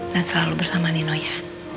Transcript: dan selalu bersama nino ya